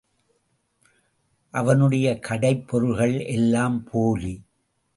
அவனுடைய கடைப்பொருள்கள் எல்லாம் போலி.